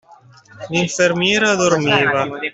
L'infermiera dormiva.